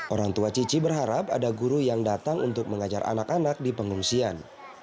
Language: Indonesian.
orang tua cici berharap ada guru yang datang untuk mengajar anak anak di pengungsian